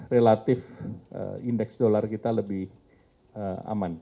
relatif indeks dolar kita lebih aman